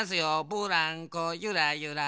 ブランコゆらゆら。